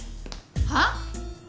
はっ？